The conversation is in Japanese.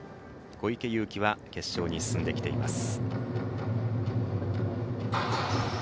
小池祐貴は決勝に進んできています。